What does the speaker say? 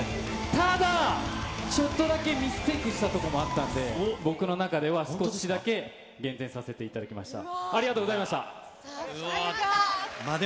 ただ、ちょっとだけミステイクしたとこもあったんで、僕の中では少しだけ減点させていただきました。